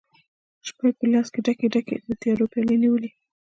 شپي په لاس کې ډکي، ډکي، د تیارو پیالې نیولي